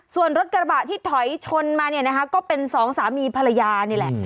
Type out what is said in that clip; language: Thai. ส่วนรถกระบะที่ถอยชนมาก็เป็น๒สามีภรรยานี่แหละ